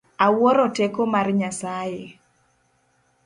Awuoro teko mar Nyasaye.